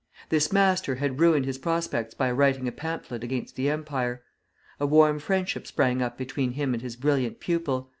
This master had ruined his prospects by writing a pamphlet against the Empire. A warm friendship sprang up between him and his brilliant pupil.